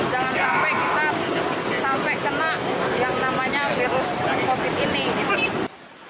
jangan sampai kita sampai kena yang namanya virus covid ini gitu